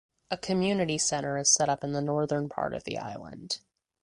A community center is set up in the northern part of the island.